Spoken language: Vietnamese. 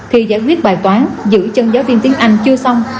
khi giải quyết bài toán giữ chân giáo viên tiếng anh chưa xong